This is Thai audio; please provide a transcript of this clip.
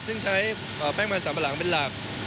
ซึ่งใช้แป้งมันสัมปะหลังเป็นหลัก